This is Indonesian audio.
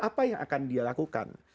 apa yang akan dia lakukan